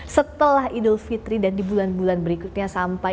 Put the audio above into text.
setelah idul fitri dan di bulan bulan berikutnya sampai